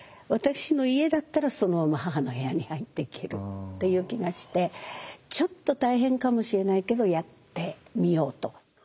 私の家だったらそのまま母の部屋に入っていけるっていう気がしてちょっと大変かもしれないけどやってみようと。